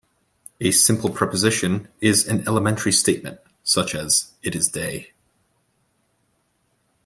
A simple proposition is an elementary statement such as it is day.